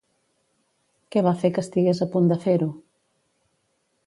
Què va fer que estigués a punt de fer-ho?